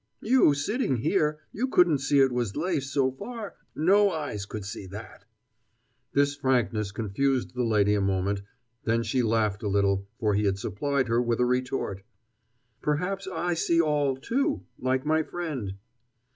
"You sitting here, you couldn't see it was lace so far no eyes could see that." This frankness confused the lady a moment; then she laughed a little, for he had supplied her with a retort. "Perhaps I see all, too, like my friend."